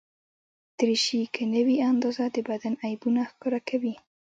دریشي که نه وي اندازه، د بدن عیبونه ښکاره کوي.